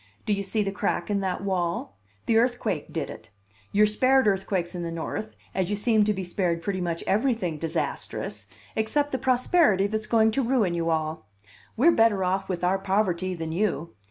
Do you see the crack in that wall? The earthquake did it. You're spared earthquakes in the North, as you seem to be spared pretty much everything disastrous except the prosperity that's going to ruin you all. We're better off with our poverty than you.